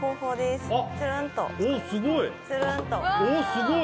おすごい！